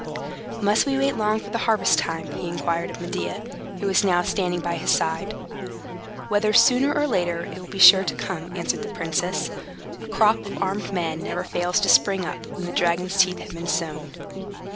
"Must we wait long for harvest time?" he inquired of Medea, who was now standing by his side. "Whether sooner or later, it will be sure to come," answered the princess. "A crop of armed men never fails to spring up, when the dragon's teeth have been sown."